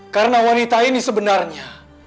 karena wanita ini sebenarnya